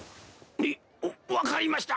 う分かりました。